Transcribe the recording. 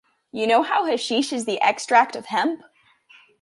You know hasheesh is the extract of hemp?